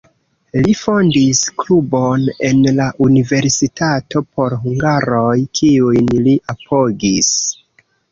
Li fondis klubon en la universitato por hungaroj, kiujn li apogis.